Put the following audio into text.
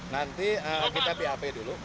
nanti kita bap dulu